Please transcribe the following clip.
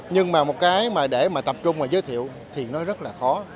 nhưng mà một cái để tập trung và giới thiệu thì nó rất là khó